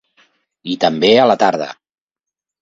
I també a la tarda.